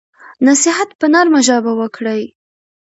نصیحت په نرمه ژبه وکړئ.